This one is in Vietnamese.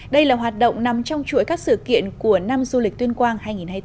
đây là hoạt động nằm trong chuỗi các sự kiện của năm du lịch tuyên quang hai nghìn hai mươi bốn